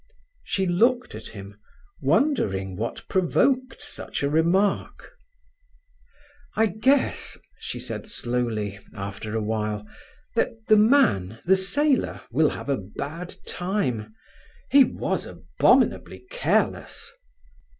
She looked at him, wondering what provoked such a remark. "I guess," she said slowly, after a while, "that the man, the sailor, will have a bad time. He was abominably careless."